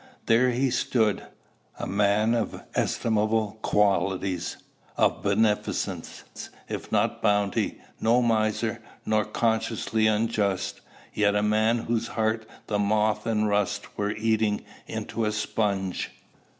There he stood, a man of estimable qualities, of beneficence, if not bounty; no miser, nor consciously unjust; yet a man whose heart the moth and rust were eating into a sponge!